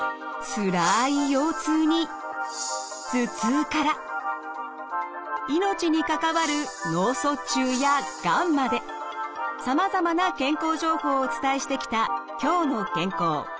つらい腰痛に頭痛から命にかかわる脳卒中やがんまでさまざまな健康情報をお伝えしてきた「きょうの健康」。